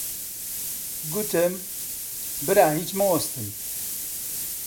گوتم: برا هیچ مەوەستن!